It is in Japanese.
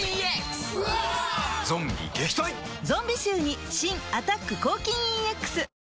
ゾンビ臭に新「アタック抗菌ＥＸ」